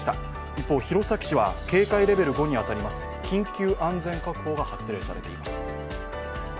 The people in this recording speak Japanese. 一方、弘前市は警戒レベル５に当たります緊急安全確保が発令されています。